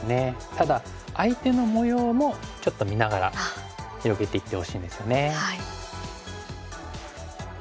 ただ相手の模様もちょっと見ながら広げていってほしいんですよね。